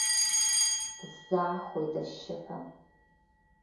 Дысзаахоит ашьшьыҳәа.